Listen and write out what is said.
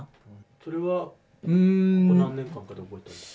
それはここ何年間かで覚えたんですか？